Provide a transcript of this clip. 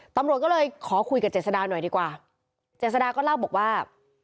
ตำรวจก็เลยขอคุยกับเจษดาหน่อยดีกว่าเจษฎาก็เล่าบอกว่า